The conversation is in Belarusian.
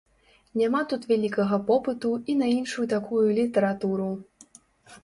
Няма тут вялікага попыту і на іншую такую літаратуру.